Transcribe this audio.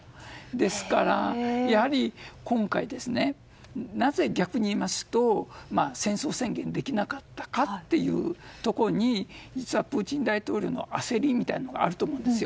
ですから、やはり今回ですねなぜ、逆に言いますと戦争宣言できなかったかというところに実はプーチン大統領の焦りみたいなものがあると思うんです。